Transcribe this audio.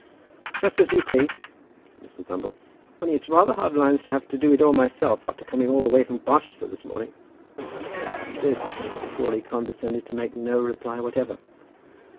"Just as you please," said Mr. Thumble. "Only it's rather hard lines to have to do it all myself after coming all the way from Barchester this morning." To this Mr. Crawley condescended to make no reply whatever.